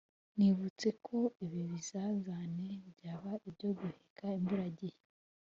nibutse ko ibi bizazane byaba ibyo guheka imburagihe